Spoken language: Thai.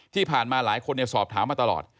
ที่ผ่านมาหลายคนสอบถามมาตลอด